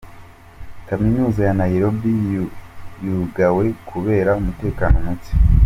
Kaminuza ya Nairobi yugawe kubera umutekano muke.